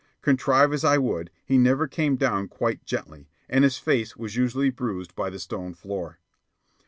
Contrive as I would, he never came down quite gently, and his face was usually bruised by the stone floor.